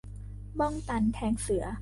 บ้องตันแทงเสือ